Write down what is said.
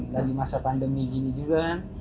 lagi masa pandemi juga